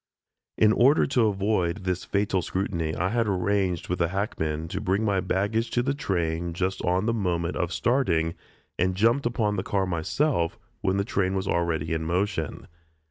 In order to avoid this fatal scrutiny I had arranged with a hackman to bring my baggage to the train just on the moment of starting, and jumped upon the car myself when the train was already in motion.